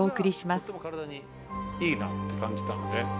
とっても体にいいなって感じたんで。